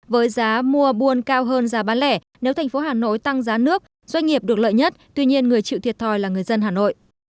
với giá mua buôn cao hơn giá bán lẻ nếu thành phố hà nội tăng giá nước doanh nghiệp được lợi nhất tuy nhiên người chịu thiệt thòi là người dân hà nội